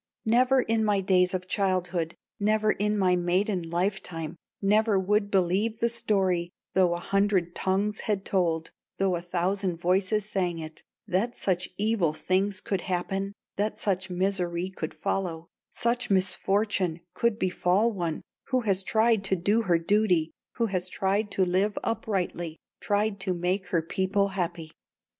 "Never in my days of childhood, Never in my maiden life time, Never would believe the story, Though a hundred tongues had told it, Though a thousand voices sang it, That such evil things could happen, That such misery could follow, Such misfortune could befall one Who has tried to do her duty, Who has tried to live uprightly, Tried to make her people happy."